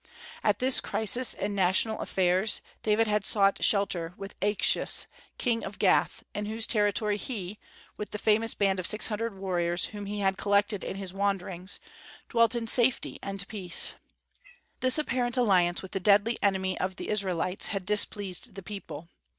At this crisis in national affairs, David had sought shelter with Achish, King of Gath, in whose territory he, with the famous band of six hundred warriors whom he had collected in his wanderings, dwelt in safety and peace. This apparent alliance with the deadly enemy of the Israelites had displeased the people.